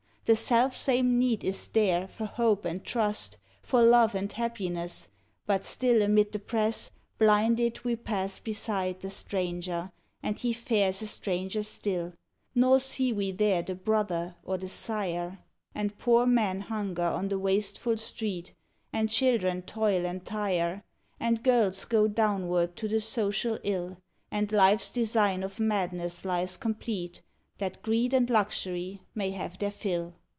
The selfsame need is there For hope and trust, for love and happiness; But still amid the press, Blinded, we pass beside The stranger, and he fares a stranger still, Nor see we there the brother or the sire; THE PANAMA PACIFIC EXPOSITION And poor men hunger on the wasteful street, And children toil and tire, And girls go downward to the Social 111, And life s design of madness lies complete, That Greed and Luxury may have their fill!